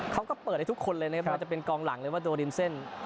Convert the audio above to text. เขาก็เปิดให้ทุกคนเลยนะครับไม่ว่าจะเป็นกองหลังหรือว่าโดดินเส้น